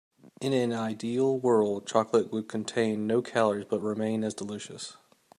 In an ideal world, chocolate would contain no calories but remain as delicious.